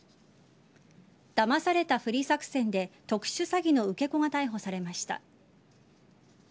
だまされたふり作戦で特殊詐欺の受け子が逮捕されました。